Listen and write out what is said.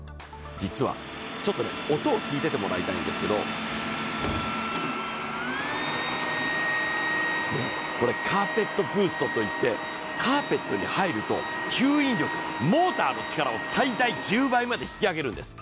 実はちょっと音を聞いててもらいたいんですけどこれ、カーペットブーストといってカーペットに入ると吸引力、モーターの力を最大１０倍まで引き上げるんです。